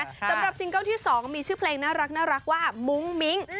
สำหรับซิงเกิ้ลที่สองก็มีชื่อเพลงน่ารักว่ามุ้งมิ้ง